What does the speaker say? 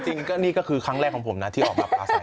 จริงก็นี่ก็คือครั้งแรกของผมนะที่ออกมาพาส